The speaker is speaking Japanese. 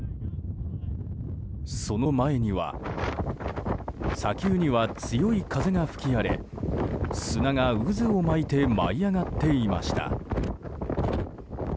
その前には砂丘には強い風が吹き荒れ砂が渦を巻いて舞い上がっていました。